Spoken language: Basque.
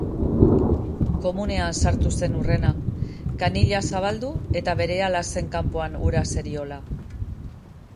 Komunean sartu zen hurrena, kanila zabaldu eta berehala zen kanpoan ura zeriola.